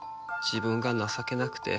自分が情けなくて。